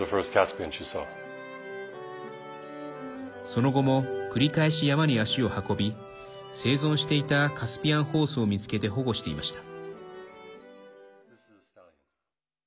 その後も繰り返し山に足を運び生存していたカスピアンホースを見つけて保護していました。